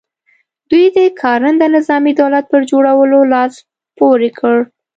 دوی د کارنده نظامي دولت پر جوړولو لاس پ ورې کړ.